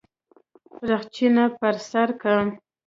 رخچينه پر سر که.